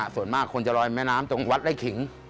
ส่วนมากคนจะลอยแม่น้ำตรงวัดไล่ขิง